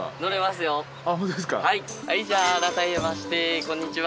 はいじゃあ改めましてこんにちは。